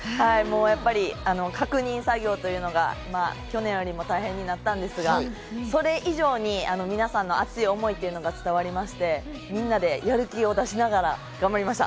確認作業が去年よりも大変になったんですが、それ以上に皆さんの熱い思いが伝わりまして、みんなでやる気を出しながら頑張りました。